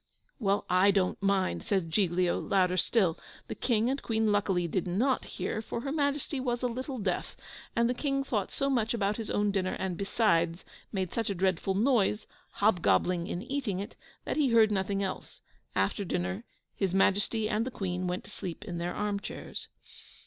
"Well, I don't mind," says Giglio, louder still. The King and Queen luckily did not hear for her Majesty was a little deaf, and the King thought so much about his own dinner, and, beside, made such a dreadful noise, hob gobbling in eating it, that he heard nothing else. After dinner, his Majesty and the Queen went to sleep in their arm chairs.